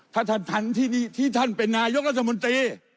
ถ้าท่านที่ท่านเป็นนายกรัฐมนตรี